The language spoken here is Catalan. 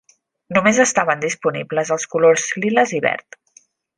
Només estaven disponibles els colors lila i verd.